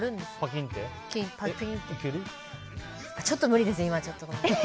今ちょっと無理です。